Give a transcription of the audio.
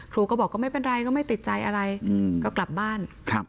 ครูก็บอกก็ไม่เป็นไรก็ไม่ติดใจอะไรก็กลับบ้าน